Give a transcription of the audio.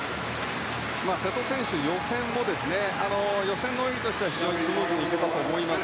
瀬戸選手予選の泳ぎとしては非常にスムーズに行けたと思います。